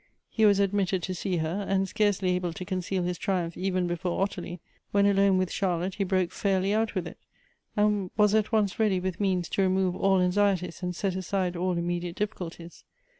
He was admitted to see her, and, scarcely able to conceal his triumph even before Ottilie, when alone with Char lotte he broke fairly out with it ; and was at once ready with means to remove all anxieties, and set aside all immediate difficulties.